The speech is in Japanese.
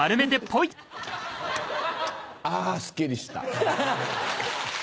あすっきりした。